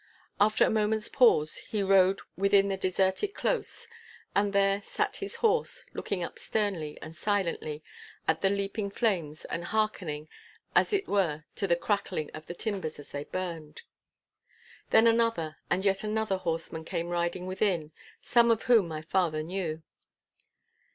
After a moment's pause he rode within the deserted close, and there sat his horse, looking up sternly and silently at the leaping flames and hearkening as it were to the crackling of the timbers as they burned. Then another and yet another horseman came riding within, some of whom my father knew.